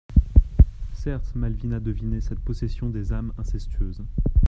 Certes Malvina devinait cette possession des âmes incestueuses.